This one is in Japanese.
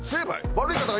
悪い方が。